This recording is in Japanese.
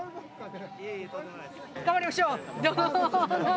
頑張りましょう。